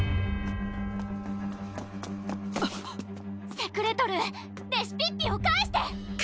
セクレトルーレシピッピを返して！